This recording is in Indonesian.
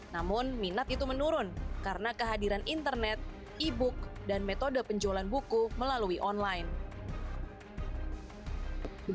namun minat itu menurun karena kehadiran internet e book dan metode penjualan buku melalui online